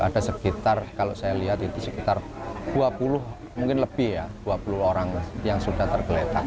ada sekitar kalau saya lihat itu sekitar dua puluh mungkin lebih ya dua puluh orang yang sudah tergeletak